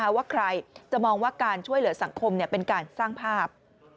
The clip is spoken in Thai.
ว่าใครจะมองว่าการช่วยเหลือสังคมเป็นการสร้างภาพ